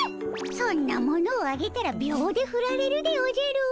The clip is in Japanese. そんなものをあげたら秒でふられるでおじゃる。